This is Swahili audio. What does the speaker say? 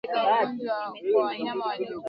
viazi lishe vina virutubisho vingi muhimi kwa afya